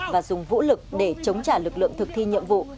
và dùng vũ lực để chống trả lực lượng thực thi nhiệm vụ